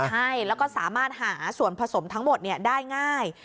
ใช่แล้วก็สามารถหาส่วนผสมทั้งหมดได้ง่าย